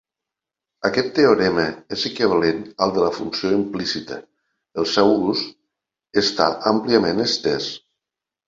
Aquest teorema és equivalent al de la funció implícita, el seu ús està àmpliament estès.